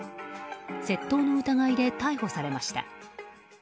窃盗の疑いで逮捕されました。